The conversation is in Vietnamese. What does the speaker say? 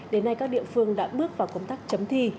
đến nay các địa phương đã bước vào công tác chấm thi